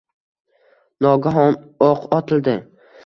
Nogahon o’q otildi